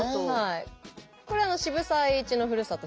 これは渋沢栄一のふるさと